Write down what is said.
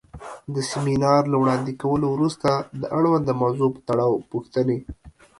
د سمینار له وړاندې کولو وروسته د اړونده موضوع پۀ تړاؤ پوښتنې